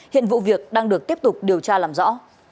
hiện vụ việc đang được tiếp tục điều tra làm rõ